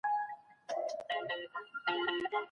زه هره ورځ د سبا لپاره د نوټونو بشپړونه کوم.